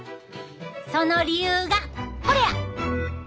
その理由がこれや！